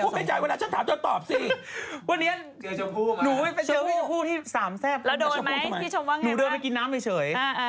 ทำไมทำไมไม่พูดเปลี่ยนให้จ่ายข้างหน้าฉันถามจนตอบซิ